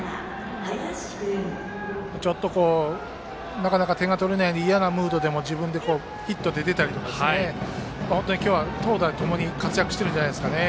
なかなか点が取れなくて嫌なムードでも自分がヒットで出たりとか本当に今日は投打ともに活躍してるんじゃないでしょうか。